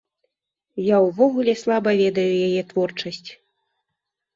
Я ўвогуле слаба ведаю яе творчасць.